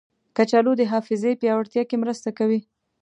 کچالو د حافظې پیاوړتیا کې مرسته کوي.